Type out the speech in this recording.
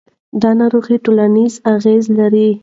دا ناروغي ټولنیز اغېز لري.